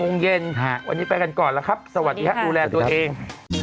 โมงเย็นวันนี้ไปกันก่อนแล้วครับสวัสดีครับดูแลตัวเอง